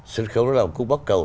sân khấu nó cũng bắt cầu